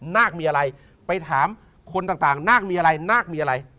นาคมีอะไรไปถามคนต่างนาคมีอะไรนาคมีอะไร